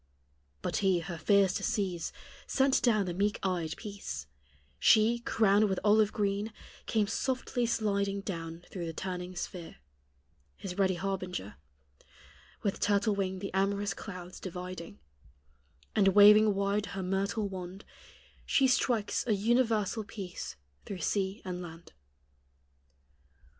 But He, her fears to cease, Sent down the meek eyed Peace; She, crowned with olive green, came softly sliding Down through the turning sphere, His ready harbinger, With turtle wing the amorous clouds dividing; And waving wide her myrtle wand, She strikes a universal peace through sea and land.